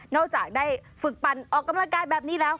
จากได้ฝึกปั่นออกกำลังกายแบบนี้แล้ว